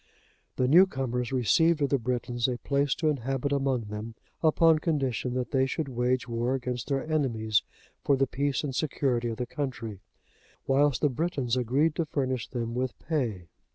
The newcomers received of the Britons a place to inhabit among them, upon condition that they should wage war against their enemies for the peace and security of the country, whilst the Britons agreed to furnish them with pay.